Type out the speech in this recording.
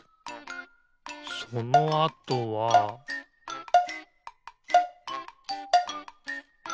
そのあとはピッ！